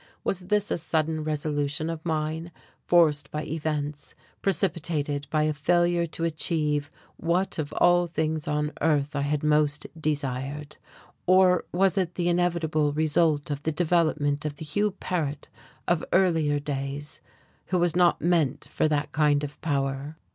Was this a sudden resolution of mine, forced by events, precipitated by a failure to achieve what of all things on earth I had most desired? or was it the inevitable result of the development of the Hugh Paret of earlier days, who was not meant for that kind of power?